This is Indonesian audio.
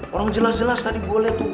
orang jelas jelas tadi gue liat tuh